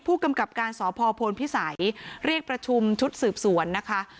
ผู้กำกับการสพพลพิสัยเรียกประชุมชุดสืบสวนนะคะ